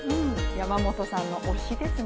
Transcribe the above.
山本さんの推しですね。